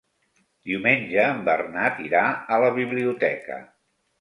Diumenge en Bernat irà a la biblioteca.